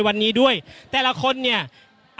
อย่างที่บอกไปว่าเรายังยึดในเรื่องของข้อ